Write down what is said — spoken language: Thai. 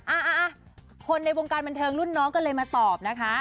อ่ะคนในวงการบันเทิงรุ่นน้องก็เลยมาตอบนะคะ